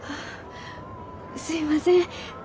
あすいません。